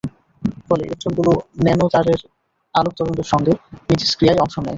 ফলে ইলেকট্রনগুলো ন্যানোতারের আলোক তরঙ্গের সঙ্গে মিথস্ক্রিয়ায় অংশ নেয়।